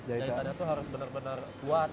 jahitan itu harus benar benar kuat